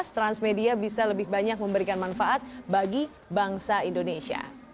transmedia bisa lebih banyak memberikan manfaat bagi bangsa indonesia